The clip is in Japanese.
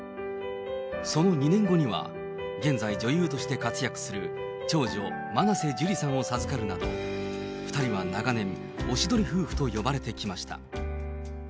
その２年後には、現在女優として活躍する、長女、真瀬樹里さんを授かるなど、２人は長年、おしどり夫婦と呼ばれてきました。